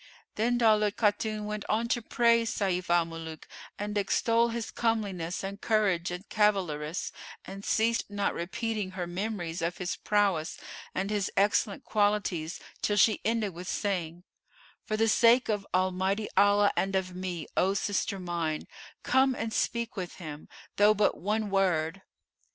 Then Daulat Khatun went on to praise Sayf al Muluk and extol his comeliness and courage and cavalarice, and ceased not repeating her memories of his prowess and his excellent qualities till she ended with saying, "For the sake of Almighty Allah and of me, O sister mine, come and speak with him, though but one word!"